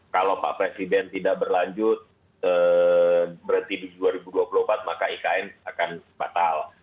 kalau pak presiden tidak berlanjut berhenti di dua ribu dua puluh empat maka ikn akan batal